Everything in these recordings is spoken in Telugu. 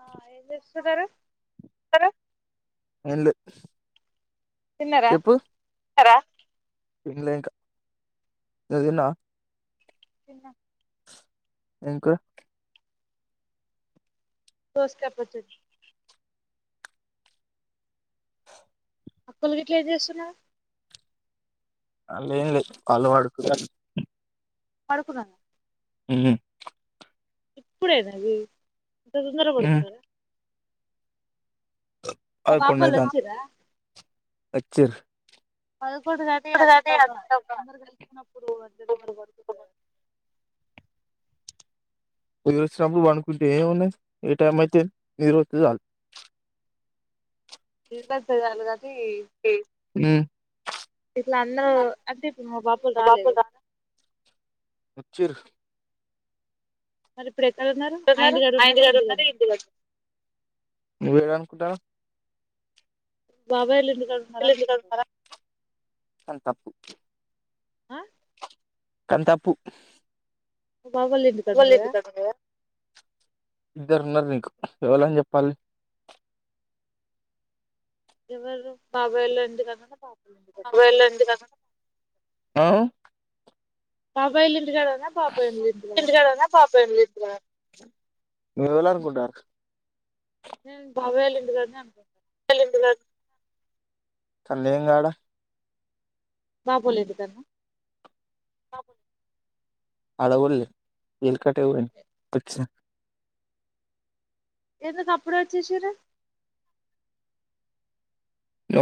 ఆ ఏంచేస్తున్నారు ఏన్లే తిన్నర తిన్లే ఇంకా నువ్వు దిన్నవా తిన్నా ఇంకా దోసకాయ పచ్చడి అక్కొల్లు గిట్లా ఏం చేస్తున్నా అల్ ఏంలే ఆల్లో పడుకుం పడుకున్నా హ్మ్ ఇప్పుడే నాది ఇంత తొందరగా పడుకున్నారా ఆ పాపోల్ వచ్చిరా వచ్చిర్ పదకొండు కానీ అంత మంద్ అందరు కలిసన్నప్పుడు అందరు [inaudible] నిద్రొస్నినప్పుడు పడుకుంటే ఏమున్నాయ్ ఏ టైమైతే నిద్రొస్తే చాల్ నిద్రొస్తే [unintelligible] ఏ హ్మ్ ఇట్లా అన్నరూ అంటే ఇప్పుడు మా పాపలు రాలేదు చిరు మరి ఇప్పుడు ఎక్కడ ఉన్నారు ఆ ఇంటి కాడ ఉన్నారా ఈఇంటి కాడ ఏం అంట బాబాయ్ ల ఇల్లు అది తప్పు ఆ కంతపు బాగోలేదు [unintelligible] ఇద్దరున్నరు నీకు ఎవలని చెప్పాలి ఎవరు బాబాయిల్లో ఎందుకన్నా వెళ్ళండి రా బాబాయిలు ఇంటికాడ నా బాబాయోళ్ళింటికాడ నువ్వు ఎలా అనుకుంటా నేను బాబాయోళ్ళ ఇంటికాడని అనుకు ఆళ్ళింటికాడ అక్కడ లేను గాడ మా బోలేదు ఇక [unintelligible] ఎందుకప్పుడే వచ్చేసారు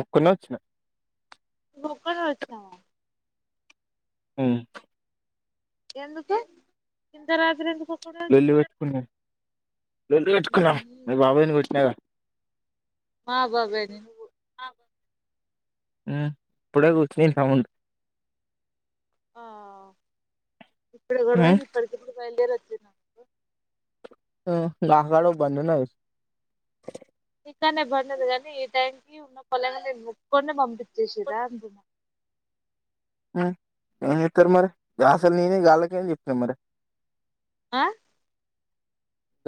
ఒక్కన్నే వచ్చిన నువ్వు ఒక్కనివే వచ్చినావా ఊ ఎందుకే ఇంత రాత్రి ఎందు లొల్లి పెట్టుకున్నా లొల్లి పెట్టుకున్న మీ బాబైని కొట్టినాగ మా బాబైని ఎందుకు కొట్టినవ్ ఊ ఇప్పుడే కూర్చుని సౌం ఆ ఇప్పుడు గొడవ అయితే ఇప్పటికిప్పుడు బయలుదేరి వొచ్చి హ్మ్ [unintelligible] బందున్నాయి ఇంకానే బందు ఉంది కాగానీ ఈ టైం కి ఉన్న పొల ముగ్గురిని పంపి [inaudible] ఏం చేస్తారు మరి అసలు నేనే వాళ్లకేం చేపినం మరి ఆ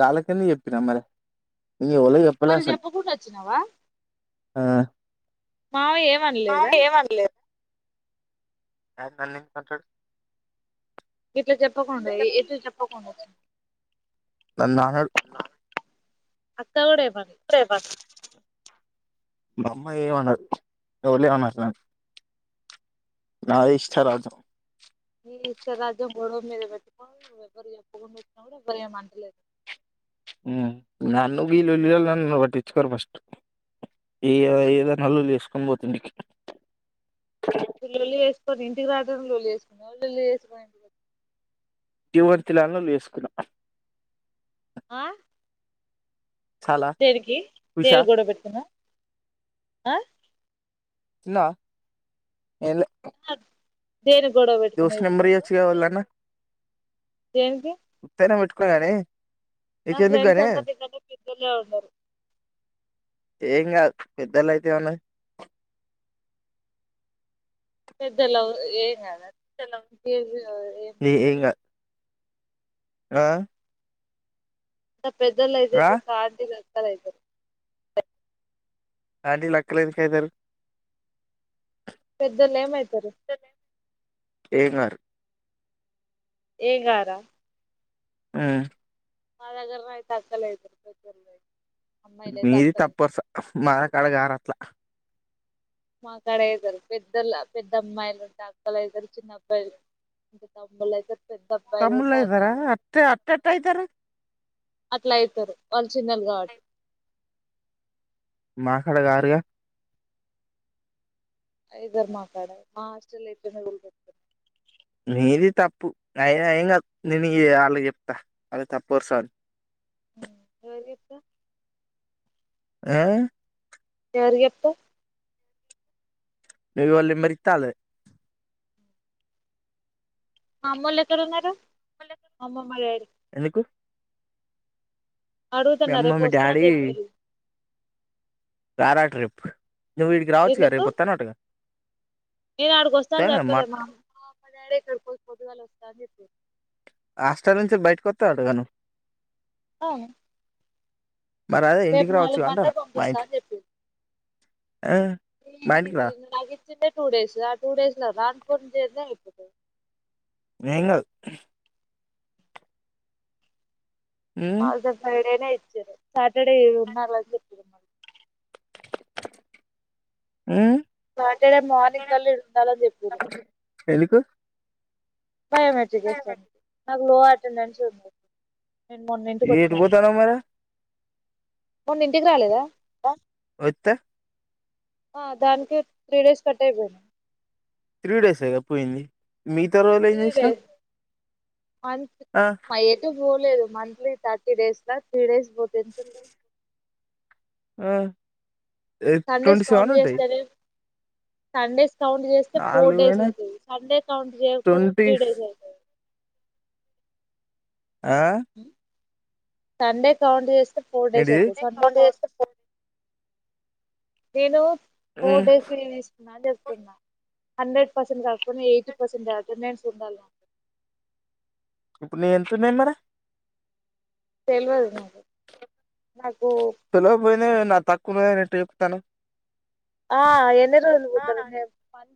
వాళ్ళతో నే చెప్పినా మరి ఇ ఓల చేపలే వాళ్ళకి అసలు చెప్పకుండా ఆ మామయ్య ఏమనలేదా అ నన్ని ఎందుకు అంటాడు ఇట్లా చెప్పకుండా ఏటు చెప్పకుండా నన్న అనడు అక్క కూడా ఏమనలేదు సరే బస్ మా అమ్మా ఏ అన్నాదు ఎవర అన్నారు నన్ని నాదే ఇష్ట రాజ్యం ని ఇష్ట రాజ్యం గొడవ మీద పెట్టుకోవి నువ్వు ఎవరు చెప్పకుండా వచ్చినా కూడా ఎవ్వరు ఏం అంటలేదు నన్ను వీలుల్లు నన్ను పట్టించుకోరు ఫస్ట్ ఏ ఏదైనా లొల్లి చేసుకొని పోతుంటికి లొల్లీ చేసుకోని ఇంటికి రాకనే లొల్లి చేసుకోని లొల్లి చేసుకోని [unintelligible] చేసుకున్నా ఆ చాలా దేనికి ఉషా దేనికి గొడవ పెట్టుకున్నావు ఆ తిన్నావా ఎం లే స దోస్త్ నెంబర్ ఇయొచ్చుగ ఎవళ్ళన్న దేనికి [unintelligible] నా నీకెందుకు ఫ్రెండ్స్ గాని అంతా నికనే పెద్దోలే ఉన్నారు పెద్దలు అయితే ఎం ఉన్నాయి పెద్దోలవ్ ఎం కాదు [unintelligible] ఎం ఏం ఉండదు కాదు ఆ ఇంత పెద్దొల్ అయితే ఆ ది కార్ దిగరు పది అయితది ఆంటీ లెక్కలెందుకు ఐతారు పెద్దోళ్లు ఏమయి సరే ఏంగారు ఏ గారా ఆ మా దగ్గరనైతే అస్సలు [unintelligible] మీది తప్పర్సల్ మా కాడ గాదట్లా మాక్కడ అయితరు పెద్దలు పెద్ద అమ్మాయిలు ఉంటే అక్కలయితరు చిన్న అబ్బాయిలుంటే తమ్ములు అయితారు పెద్ద అబ్బాయిలు తమ్ముళ ఉంటే ఐదారా అన్నయ్యలు అట్ట అట్టేట్టాయితారు అట్ల అయితారు చిన్నది కాబట్టి మా కాడ కారుగా అయితరు మా కాడ మా హాస్టల్ ఎటు ఉల్తురు నీది తప్పు అయినా ఏం కాదు నేను ఆమెకు చెప్తా వాళ్ళ తప్పు వరుస అని ఎవరికి చెప్తావ్ ఆ ఎవరికి చెప్తావ్ ఎవల్ నెంబర్ ఇత్తే అల్లాదే మా అమ్మోళ్లు ఎక్కడున్నారు మా అమ్మమ్మ లేరు ఎందుకు మీ అడుగుతున్న అమ్మ రేపు మీ వస్తా అని డాడీ చెప్పిరు రారట రేపు నువ్వు ఈడికి రావచ్చుగా ఎందుకు రేపొత్తాన్నవాటగా నేను అడికి వస్తా అని చెప్పలే మా అమ్మ మా డాడీ ఇక్కడికి పొద్దుగాల వస్తాని చెప్పిరు హాస్టల్ నుంచి బైటికొత్తవంట గ నువ్వు అవును మరి అదే రేపు ఇంటికి నాలుగు రావచ్చుగా అంటానా గంట్లకు మా పంపిస్తా ఇంటికి అని చెప్పిరు ఆ మా ఇంటికి రా ఇంటికిగి చ్చిందే టూ డేస్ ఆ టూ డేస్ ల రాను పోను జర్నీ అయిపోతది ఏంగాదు ఉమ్ అల్ దా ఫ్రైడే నే అయి చిరు సాటర్డే [unintelligible] ఉమ్ సాటర్డే మార్నింగ్ కల్ల ఈడుండాలని చెపిర్రు ఎందుకు బయోమెట్రిక్ వేస్తారు మళ్ళీ నేను లంచే తినలే నేను మొన్నింటికి ఒచ్చిన ఎటు కదా పోతన్నావ్ మరి మొన్న ఇంటికి రాలేదా వత్తే ఆ దానికి త్రీ డేస్ కట్ అయిపోయింది త్రీ డిసెగా పోయింది మిగతా రోజులు ఏం త్రీ చేసినావ్ డైస్ ఆ ఎటు పోన్. లేదు మంత్లీ థర్టీ డేస్ లా త్రీ డేస్. పోతే ఎంత అవుతాయి. హలో ఆ eight Sundays twenty seven count ఉంటై. చేస్తేనే సండేస్ కౌంట్ చేస్తే ఫోర్ డేస్ అయినా అయితది సండే కౌంట్ చేయకపోతే ట్వంటీ త్రీ డేస్ అయితది. ఆ. సండే కౌంట్ చేసి ఏంటిది నేను ఫోర్ ఉమ్, డేస్ లీవ్ తీసుకున్న అని హండ్రెడ్ పర్సెంట్ కాకుంన్న ఎయిటి పర్సెంట్ అటెండెన్స్ ఉండాల ఇప్పుడు నీది ఎంతున్నది మరే తెల్వదు నాకు నాకు తే నాది తక్కువున్నదని ఎట్ట చెప్తనవ్ ఆ ఎన్ని రోజులు మీ దగ్గర ఉండాలి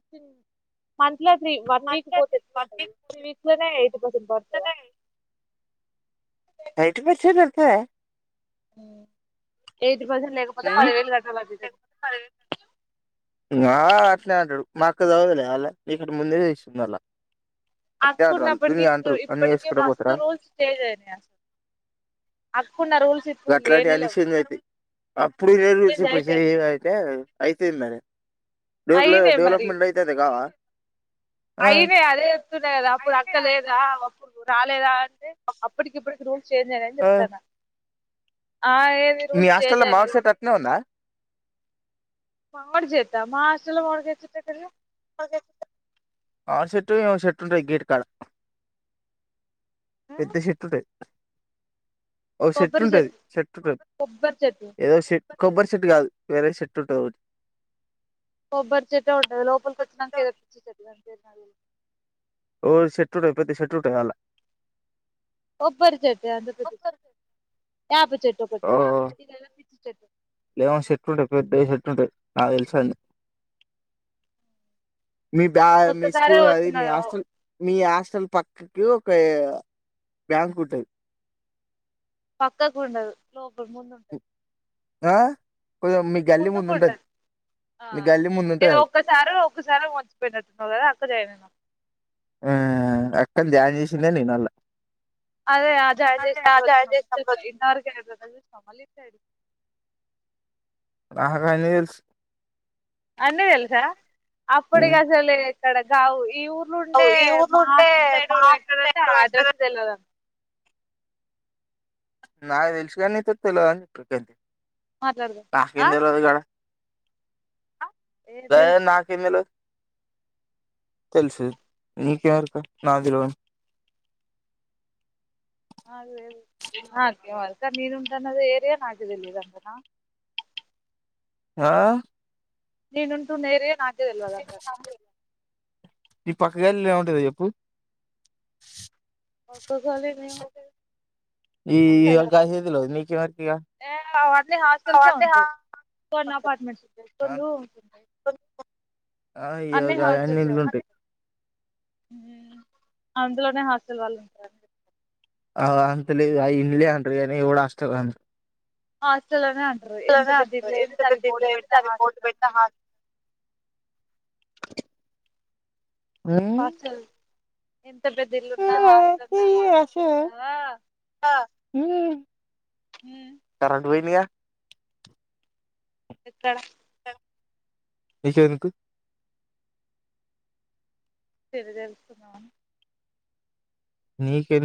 ఇట్లా త్రీ వన్ వీక్ పోతే ఎట్లా ఉంటది ఈ వీక్ లోనే ఎయిటీ పర్సెంట్ దాటుతదా. ఎయిటి పర్సెంట్ ఎల్తదా. హ్మ్ ఎయిట్ ఉమ్ వా అట్నే అంటడు. మక్కా సధవతులే అల్ల నీకంటే ముందే తెలుస్తది మల్ల. అక్కున్నప్పటికి ఇప్పు ఇప్పటిక చేసుకుంటా మస్తు పోతారా రూల్స్ చేంజ్ అయినయి గా అక్ గట్లయితే అన్ని చేంజ్ ఐతై అప్పుడు వేరు చేంజ్ అయితాయి పుసిస్ ఐతే ఐతేంది మరే. డేవ్ల డెవలప్మెంట్ అయితే కావ. అయినై అదే చెప్తున్న కదా అప్పుడు అక్క లేదా. ఇప్పుడు రాలేదా అే అప్పటికి ఇప్పటికి రూల్స్ చేంజ్ అయ్యాయని ఆ చెప్తాను మీ హాస్టల్ల మావడిసెట్ అట్నే ఉందా మావిడి చెట్ట మా హాస్టల్ల మామిడికాయ చెట్టు ఎక్కడిది. ఆ సెట్టు ఏమో సెట్టు ఉంటది గేట్ కాడ ఆ పెద్ద పెట్టు ఉంటది. ఒక సెట్ కొబ్బరి ఉంటది చెట్టు సట్ ఉంటది కొబ్బరి చెట్టు ఏదో సెట్ కొబ్బరి చెట్టు కాదు వేరే చెట్లు తోటి కొబ్బరి చెట్టు ఉండదు లోపలికి కోచ్చినాక ఎమో పిచ్చి చెట్లు అంట ఓ షట్లు లేకపోతే షేట్లు కావాల్లా కోబ్బరి చెట్టు అంత పెద్ద చేట్టు యా పి త్ ఓ లే సట్లు ఉండి పోయిద్ది ఆ నాకు తెలుసు అండి మీ బా మీ ఒక్కసారే స్కూల్ అది మీ వచ్చినాయి హాస్టల్ మీ హస్ అసలు పక్కకి ఒక బ్యాంక్ ఉంటది పక్కకుండదు లో లో ముందుంటది ఆ కొంచెం మీ గల్లీ ముందు ఉంటది ముందుకుంటారు అ మీ గల్లీ ముందు ఏ ఉంటది అది ఒక్కసారి ఒక్కసారి మంచిిపోయినట్టున్నావు కదా అక్క జయనమేన ఆ అక్కని జ్యాన్ చేసిన నేను ఎల్లా అదే ఆ జాయిన్ చేసినప్పుడు వచ్చినాం ముచ్చ ఇంతవరకులు చూాం మళీ ఇ నాక్ అనే స్ అన్ని తెల్సా అప్పుడుగి ఉమ్, అసలే క్కడ గవు ఇఊ లు ఉండే మహాస్టల్ పేరు ఎక్కడంటే ఆ డ్రస్ ఎ తెల్వదంట నాకు తెలుసు కాని తుత్తుల అని చెప్పింతి మాట్లాడదాం ఆ కాకింద రాదు గద ఏం డైవర్ తెలుసు నా కిందులో తెలుసు నీకేరుక నాదిలో అేకే అకా నరు ఉంటన్నద ఏరియాన్దలి ఇదంతనా ఆ నేనుంటూ నేర్ నాకే వెళ్వదాంటద ఈ పక్కగాళలో ఏముంటంద చెప్పు పట్టుకులేనిది ఉంటది. ఈ ఉంటద గదే తెలవదు నీకెవరికి ఇగ ఎ వా అన్ని హాస్టల్ సే ఉంటాయి కొన్ని అపార్ట్మెంట్స్ ఉంటాయి కొన్ని రూమ్స్ ఉంటాయి ఆ ఇగ అన్ని హాస్టల్ గయన్ని సే ఇండ్లు ఉన్నాయి ఉంటాయి అందులోనే హాస్టల్ వాళ్ళు ఉంటారండి ఆ అంత లేదు ఆ ఇల్లే అంటారు గాని ఎవడు హాస్టల్ అనడు హాస్టలు అనే అంటారు ఎంత పెద్ద ఇల్లైన పెడితే దానికి బోర్డు హాస్టల్ అని పెడితే హాస్ [inaudible] హాస్టల్ ఎం త పెద్ద ఇళ్ళున్నా హాస్టల్ అని బోర్డు పెడతారు హా మ్మ్ కరెంట్ పోయిందిగా ఎక్కడ నీకెందుకు జర తెలుసుకుందామని నీకెం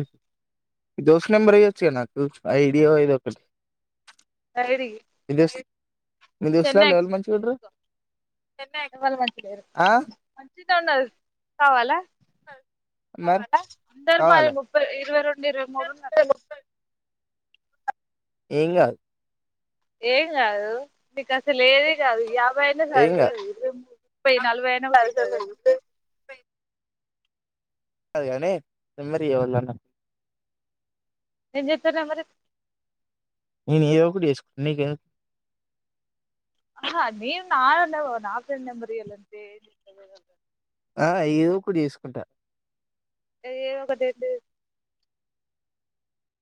దోస్త్ నెంబర్ ఇయ్యెచ్చగా నాకు ఐడియో ఏదో ఒకటి సరేథియ్యి మీ దోస్త్ మీ చెన్నై దోస్తులల్ల ఎక్స్ ఎవలు ప్రెస్ మంచిగుంటరు తీసుకో ఎవళు మంచిగ లేరు ఆ మంచిగనే ఉన్నరు కావాలా మరి అందరు బాలే కావాలా ముప్పై ఇరవై రెండు ఇరవై మూడున్నరు ఏంగాదు ఏం కాదు నీకసలు ఏది కాదు ఎ ప్పడైన ఏం కాదు సాలుసాలది ఇరవై ముప్పై నలభై అయిన కూడ ఎం కాదు గదా నీకు కాని నెంబర్ ఇయ్యి ఎవళిదన్నా ఏం చేత్తవ్ నంబర్ తీ నేను ఏదో ఒకటి చేసుకుట నీకు ఎందుకు ఆహా నేను నా నంబర్ నా ఫ్రెండ్ నంబర్ ఇయ్యాలంటే ఎం చేత్తవో కదా ఆ ఏదో ఒకటి చేసుకుంట ఏదో ఒకటి ఏంటిది